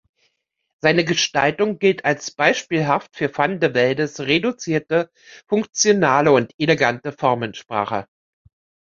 Seine Gestaltung gilt als beispielhaft für van de Veldes reduzierte, funktionale und elegante Formensprache.